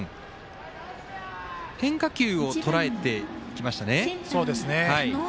変化球をとらえてきました。